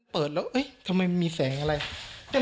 เปิดแล้วทำไมมีแสงอะไร